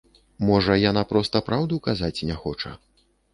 Можа, яна проста праўду казаць не хоча?